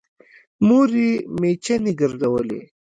مور يې مېچنې ګرځولې